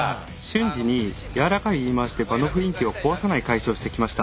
瞬時にやわらかい言い回しで場の雰囲気を壊さない返しをしてきました。